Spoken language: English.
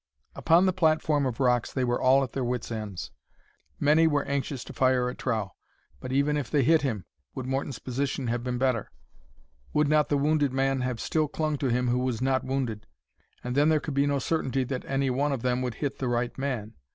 Upon the platform of rocks they were all at their wits' ends. Many were anxious to fire at Trow; but even if they hit him, would Morton's position have been better? Would not the wounded man have still clung to him who was not wounded? And then there could be no certainty that any one of them would hit the right man.